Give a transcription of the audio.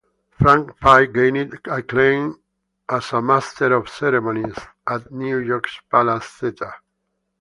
Frank Fay gained acclaim as a "master of ceremonies" at New York's Palace Theater.